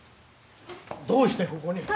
どうしてここに。